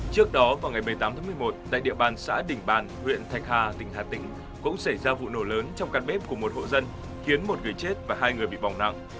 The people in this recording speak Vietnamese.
trước đó vào ngày một mươi tám tháng một mươi một tại địa bàn xã đình bàn huyện thạch hà tỉnh hà tĩnh cũng xảy ra vụ nổ lớn trong căn bếp của một hộ dân khiến một người chết và hai người bị bỏng nặng